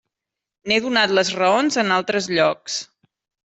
N'he donat les raons en altres llocs.